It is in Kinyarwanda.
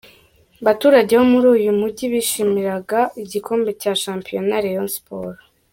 baturage bo muri uyu mujyi bishimiraga igikombe cya shampiyona Rayon sport.